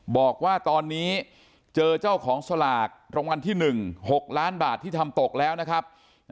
บอกว่าตอนนี้เจอเจ้าของสลากรางวัลที่๑๖ล้านบาทที่ทำตกแล้วนะครับ